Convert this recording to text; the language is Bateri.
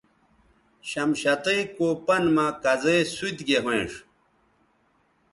شمشتئ کو پن مہ کزے سوت گے ھوینݜ